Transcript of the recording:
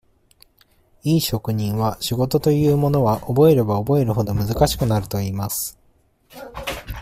いい職人は、仕事というものは、覚えれば覚えるほど、難しくなるといいます。